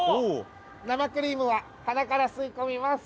生クリームは鼻から吸い込みます。